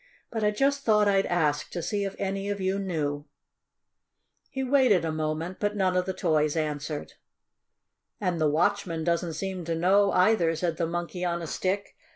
But I just thought I'd ask to see if any of you knew." He waited a moment, but none of the toys answered. "And the watchman doesn't seem to know, either," said the Monkey on a Stick.